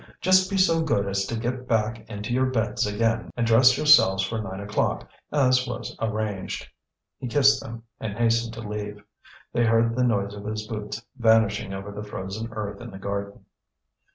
Just be so good as to get back into your beds again, and dress yourselves for nine o'clock, as was arranged." He kissed them and hastened to leave. They heard the noise of his boots vanishing over the frozen earth in the garden.